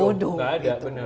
bodoh nggak ada